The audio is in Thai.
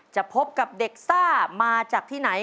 จะพบกับเด็กซ่ามาจากที่ไหน